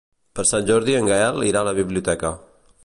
Per Sant Jordi en Gaël irà a la biblioteca.